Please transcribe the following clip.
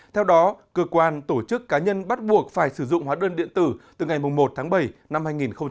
theo đó cơ quan tổ chức cá nhân bắt buộc phải sử dụng hóa đơn điện tử từ ngày một tháng bảy năm hai nghìn hai mươi